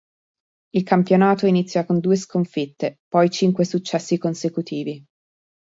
Il campionato inizia con due sconfitte, poi cinque successi consecutivi.